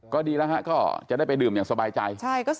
ก็ดีแล้วฮะก็จะได้ไปดื่มอย่างสบายใจ